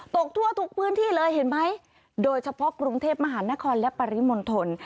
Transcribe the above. ตกทั่วทุกพื้นที่เลยเห็นไหมโดยเฉพาะกรุงเทพมหานครและปริมณฑล